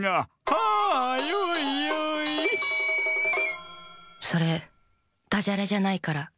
「はあヨイヨイ」それダジャレじゃないから。